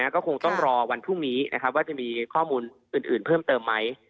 ก็คงต้องรอวันพรุ่งนี้ว่าจะมีข้อมูลอื่นเพิ่มเติมไหม